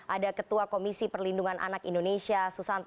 ada ketua komisi perlindungan anak indonesia susanto